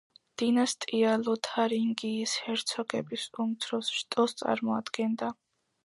დინასტია ლოთარინგიის ჰერცოგების უმცროს შტოს წარმოადგენდა.